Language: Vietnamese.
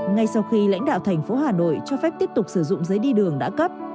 ngay sau khi lãnh đạo thành phố hà nội cho phép tiếp tục sử dụng giấy đi đường đã cấp